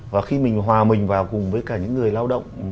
và khi mình hòa mình vào cùng với cả những người lao động